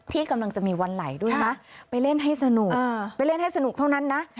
ที่กำลังจะมีวันไหลด้วยนะไปเล่นให้สนุกไปเล่นให้สนุกเท่านั้นนะ